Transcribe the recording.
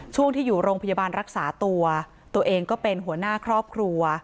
ช่วงที่อยู่โรงพยาบาลรักษาตัวตัวเองก็เป็นหัวหน้าครอบครัว